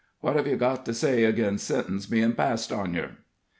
What hev you got to say agin' sentence bein' passed on yer?"